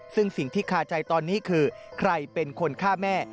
ซึ่งสิ่งที่คาใจตอนนี้คือใครเป็นคนฆ่าแม่